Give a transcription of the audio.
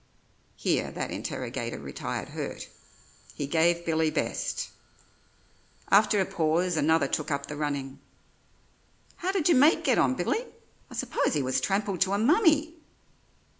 Here that interrogator retired hurt; he gave Billy best. After a pause another took up the running. "How did your mate get on, Billy? I s'pose he was trampled to a mummy!"